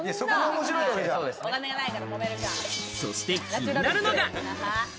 そして気になるのが。